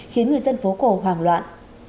khiến người dân phố cổ hoảng loạn